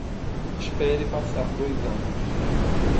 Espere passar dois anos